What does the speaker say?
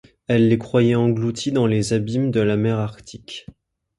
Elle les croyait engloutis dans les abîmes de la mer Arctique.